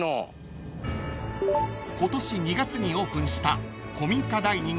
［今年２月にオープンした］